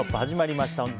始まりました。